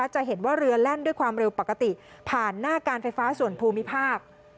จะเห็นว่าเรือแล่นด้วยความเร็วปกติผ่านหน้าการไฟฟ้าส่วนภูมิภาค